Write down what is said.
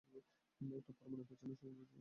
একটা পরমাণুর পেছনে সমগ্র জগতের শক্তি রয়েছে।